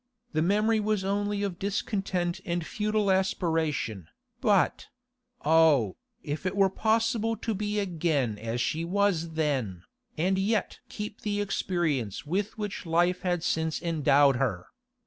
The memory was only of discontent and futile aspiration, but—Oh, if it were possible to be again as she was then, and yet keep the experience with which life had since endowed her!